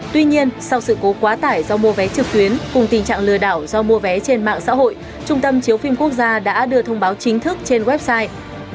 tuy nhiên sau sự cố quá tải do mua vé trực tuyến cùng tình trạng lừa đảo do mua vé trên mạng xã hội trung tâm chiếu phim quốc gia đã đưa thông báo chính thức trên website